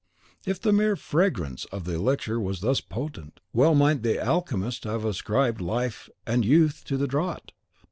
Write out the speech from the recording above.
If the mere fragrance of the elixir was thus potent, well might the alchemists have ascribed life and youth to the draught!